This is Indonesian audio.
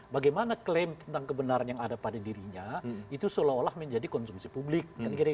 bagaimana klaim tentang kebenaran yang ada pada dirinya itu seolah olah menjadi konsumsi publik